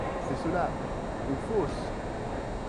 C'est cela, aux fosses!